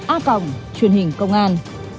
a cồng truyện hình công an